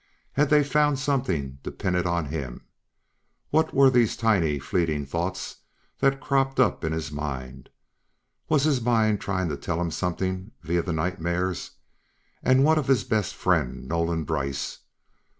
Had they found something to pin it on him? What were these tiny, fleeting thoughts that cropped up in his mind? Was his mind trying to tell him something via the nightmares? And what of his best friend, Nolan Brice.